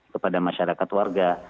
kepada masyarakat warga